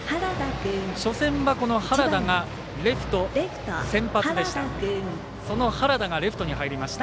初戦は原田がレフト先発でした。